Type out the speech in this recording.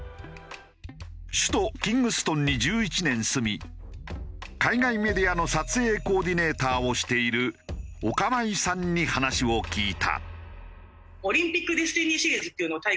首都キングストンに１１年住み海外メディアの撮影コーディネーターをしているオカマイさんに話を聞いた。